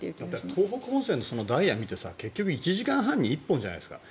東北本線のダイヤって１時間半に１本じゃないですか。